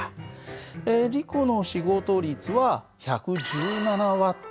リコの仕事率は１１７Ｗ。